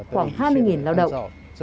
khoảng hai mươi lao động